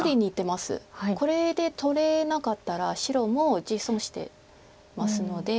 これで取れなかったら白も地損してますので。